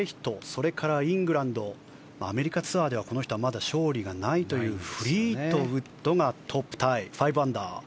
そして、イングランドのアメリカツアーではまだこの人は勝利がないというフリートウッドがトップタイ、５アンダー。